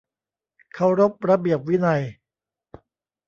เคารพระเบียบวินัย